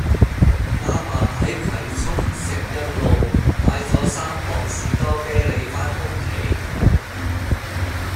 亞爸喺葵涌石蔭路買左三磅士多啤梨返屋企